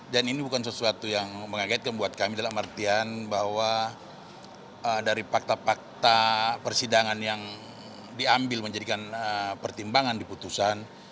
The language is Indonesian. dan ini bukan sesuatu yang mengagetkan buat kami dalam artian bahwa dari fakta fakta persidangan yang diambil menjadikan pertimbangan di putusan